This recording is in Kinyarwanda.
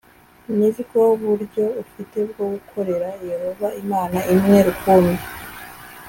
Ni bwo buryo ufite bwo gukorera Yehova Imana imwe Rukumbi